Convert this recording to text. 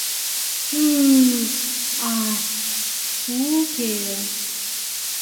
Ы-ы, а-а, у-уке...